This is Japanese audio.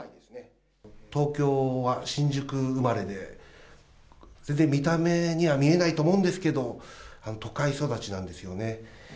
東京は新宿生まれで、全然、見た目には見えないと思うんですけど、都会育ちなんですよね。